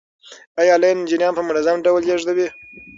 آیا لین جریان په منظم ډول لیږدوي؟